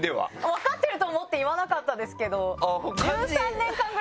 分かってると思って言わなかったですけど。